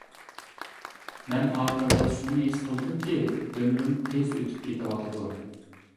مەن ئاقىۋەت شۇنى ھېس قىلدىمكى، ئۆمرۈم تېز ئۆتۈپ كېتىۋاتىدۇ.